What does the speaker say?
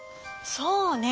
そうね。